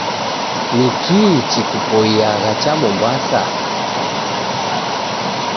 Ni kihi chikupoiyagha cha Mombasa?